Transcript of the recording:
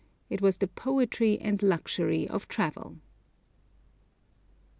It was the poetry and luxury of travel.